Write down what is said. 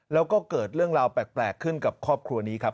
แล้วก็เกิดเรื่องราวแปลกขึ้นกับครอบครัวนี้ครับ